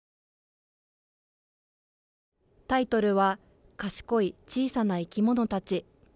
タイトルは「かしこい小さな生き物たち」。